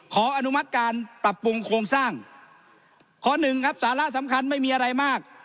อนุมัติการปรับปรุงโครงสร้างข้อหนึ่งครับสาระสำคัญไม่มีอะไรมาก